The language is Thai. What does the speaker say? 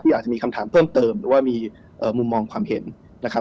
อาจจะมีคำถามเพิ่มเติมหรือว่ามีมุมมองความเห็นนะครับ